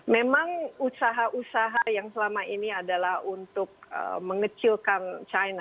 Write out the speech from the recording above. memang usaha usaha yang selama ini adalah untuk mengecilkan china